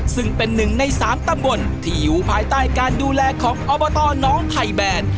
ซึ่งเป็นหนึ่งในสามตำบลที่อยู่ภายใต้การดูแลของอบตน้องไทยแบน